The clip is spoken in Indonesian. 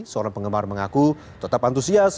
seorang penggemar mengaku tetap antusias